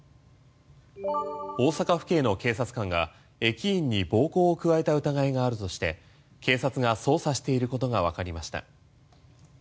大阪府警の警察官が駅員に暴行を加えた疑いがあるとして警察が捜査していることがわかりました。